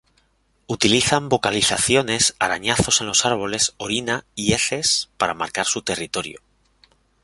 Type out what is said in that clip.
Utilizan vocalizaciones, arañazos en los árboles, orina y heces para marcar su territorio.